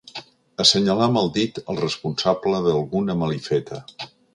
Assenyalar amb el dit el responsable d'alguna malifeta.